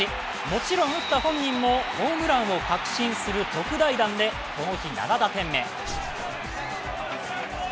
もちろん打った本人もホームランを確信する特大弾でこの日、７打点目。